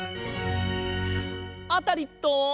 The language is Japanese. アタリット！